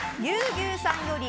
牛さんより